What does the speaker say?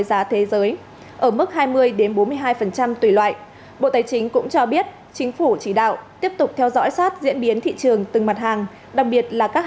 sau khi nhiều nước mở cửa đón khách trở lại